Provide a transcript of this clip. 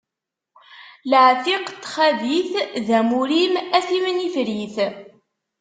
Laɛtiq n txabit d amur-im a timnifrit.